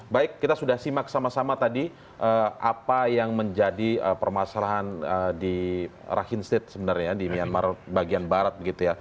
baik kita sudah simak sama sama tadi apa yang menjadi permasalahan di rakhine state sebenarnya di myanmar bagian barat